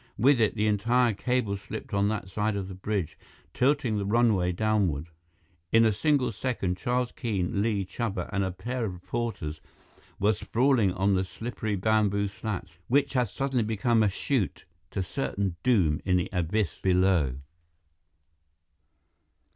With it, the entire cable slipped on that side of the bridge, tilting the runway downward. In a single second, Charles Keene, Li, Chuba, and a pair of porters were sprawling on the slippery bamboo slats, which had suddenly become a chute to certain doom in the abyss below!